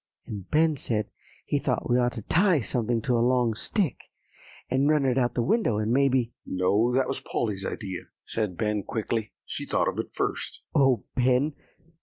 And Ben said he thought we ought to tie something to a long stick, and run it out the window, and maybe" "No, that was Polly's idea," said Ben quickly; "she thought of it first." "O Ben!